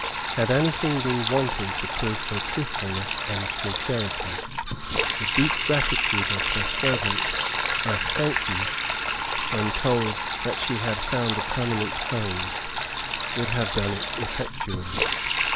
Had anything been wanting to prove her truthfulness and sincerity, the deep gratitude of her fervent "I thank you," when told that she had found a permanent home, would have done it effectually.